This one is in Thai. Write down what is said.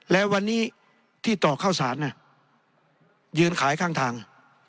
และวันนี้ที่ต่อเข้าสารยืนขายข้างทาง